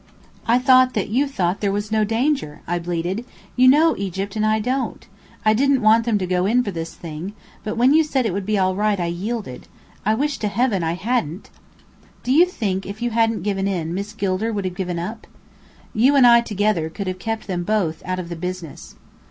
"I thought that you thought there was no danger?" I bleated. "You know Egypt and I don't. I didn't want them to go in for this thing, but when you said it would be all right, I yielded. I wish to heaven I hadn't!" "Do you think if you hadn't given in, Miss Gilder would have given up?" "You and I together could have kept them both out of the business."